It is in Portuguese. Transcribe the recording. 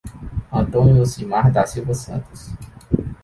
Antônio Elcimar da Silva Santos